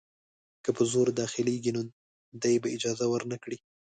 که په زور داخلیږي نو دی به اجازه ورنه کړي.